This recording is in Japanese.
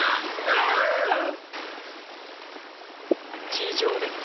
ちじょうです。